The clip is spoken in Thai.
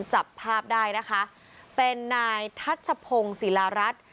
จับภาพได้นะคะเป็นนายทัชพงศ์ศิลารัฐ